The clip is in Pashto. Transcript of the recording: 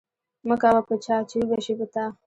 ـ مه کوه په چا ،چې وبشي په تا.